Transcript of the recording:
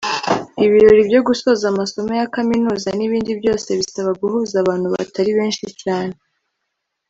ibirori byo gusoza amasomo ya kaminuza n’ibindi byose bisaba guhuza abantu batari benshi cyane